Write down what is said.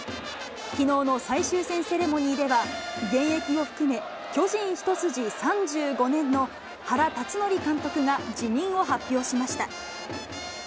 きのうの最終戦セレモニーでは、現役を含め巨人一筋３５年の原辰徳監督が辞任を発表しました。